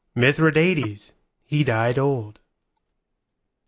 Mithridates, he died old.